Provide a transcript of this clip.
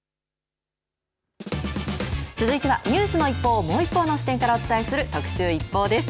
続いてはニュースの一報をもう一方の視点からお伝えする特集ＩＰＰＯＵです。